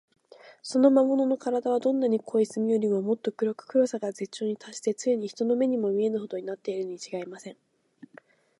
その魔物のからだは、どんな濃い墨よりも、もっと黒く、黒さが絶頂にたっして、ついに人の目にも見えぬほどになっているのにちがいありません。